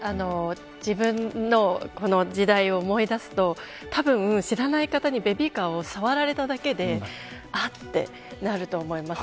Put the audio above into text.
自分の時代を思い出すとたぶん、知らない方にベビーカーを触られただけであっ、てなると思います。